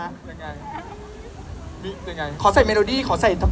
ได้ไง